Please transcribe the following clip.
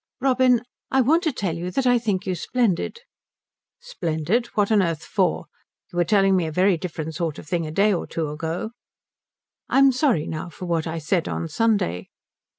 "Robin, I want to tell you that I think you splendid." "Splendid? What on earth for? You were telling me a very different sort of thing a day or two ago." "I am sorry now for what I said on Sunday."